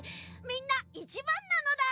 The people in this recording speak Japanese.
みんないちばんなのだ。